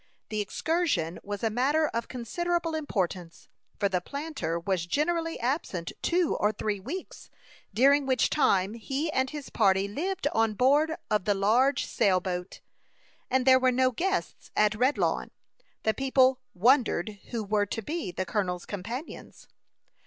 The excursion was a matter of considerable importance, for the planter was generally absent two or three weeks, during which time he and his party lived on board of the large sail boat. As there were no guests at Redlawn, the people wondered who were to be the colonel's companions.